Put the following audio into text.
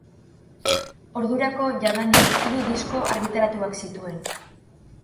Ordurako jadanik hiru disko argitaratuak zituen.